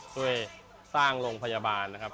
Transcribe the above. ช่วยสร้างโรงพยาบาลนะครับ